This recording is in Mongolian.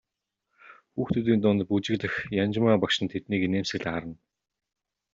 Хүүхдүүдийн дунд бүжиглэх Янжмаа багш нь тэднийг инээмсэглэн харна.